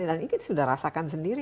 dan ini kita sudah rasakan sendiri